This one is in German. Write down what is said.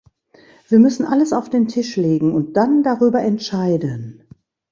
Wir müssen alles auf den Tisch legen und dann darüber entscheiden.